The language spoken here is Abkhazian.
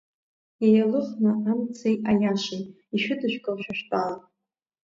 Еилыхны амци аиашеи, ишәыдышәкыл, шәа шәтәала!